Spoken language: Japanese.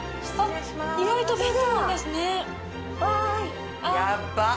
意外とベッドなんですね。